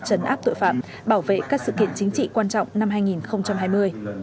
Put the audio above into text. chấn áp tội phạm bảo vệ các sự kiện chính trị quan trọng năm hai nghìn hai mươi